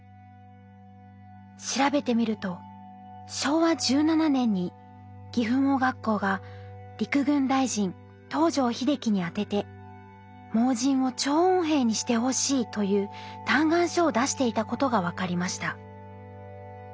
調べてみると昭和１７年に岐阜盲学校が陸軍大臣東條英機に宛てて「盲人を聴音兵にしてほしい」という嘆願書を出していたことが分かりました。